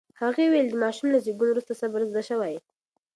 هغې وویل، د ماشوم له زېږون وروسته صبر زده شوی.